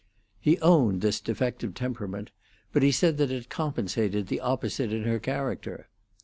He owned this defect of temperament, but he said that it compensated the opposite in her character.